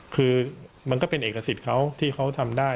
คือมันก็เป็นเอกสิทธิ์เขาที่เขาทำได้